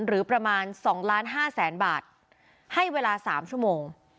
หรือประมาณ๒ล้านห้าแสนบาทให้เวลา๓ชั่วโมง